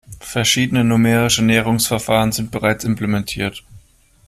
Verschiedene numerische Näherungsverfahren sind bereits implementiert.